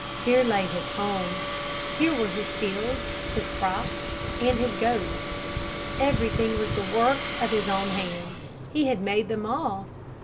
Here lay his home. Here were his fields, his crops and his goats. Everything was the work of his own hands. He had made them all.